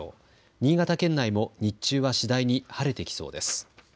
新潟県内も日中は次第に晴れてきそうです。